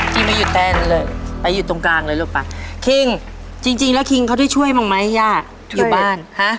ไม่อยู่เต้นเลยไปอยู่ตรงกลางเลยลูกป่ะคิงจริงแล้วคิงเขาได้ช่วยบ้างไหมย่าอยู่บ้านฮะ